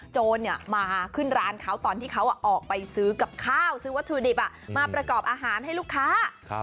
โจรมาขึ้นร้านเขาตอนที่เขาออกไปซื้อกับข้าวซื้อวัตถุดิบมาประกอบอาหารให้ลูกค้า